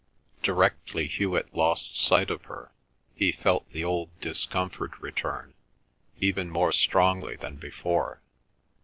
Directly Hewet lost sight of her, he felt the old discomfort return, even more strongly than before.